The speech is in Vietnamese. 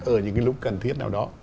ở những cái lúc cần thiết nào đó